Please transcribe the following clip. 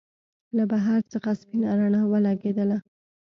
له بهر څخه سپينه رڼا ولګېدله.